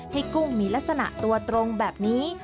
กุ้งมีลักษณะตัวตรงแบบนี้